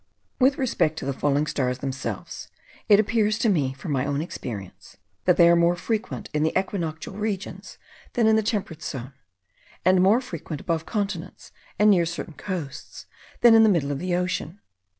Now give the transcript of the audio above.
With respect to the falling stars themselves, it appears to me, from my own experience, that they are more frequent in the equinoctial regions than in the temperate zone; and more frequent above continents, and near certain coasts, than in the middle of the ocean.